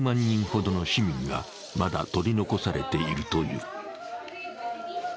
人ほどの市民が、まだ取り残されているという。